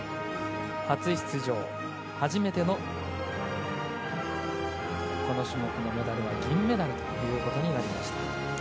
初出場、初めてのこの種目のメダルは銀メダルということになりました。